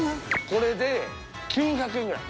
これで９００円ぐらい。